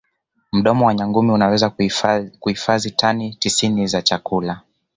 mdomo wa nyangumi unaweza kuhifazi tani tisini za chakula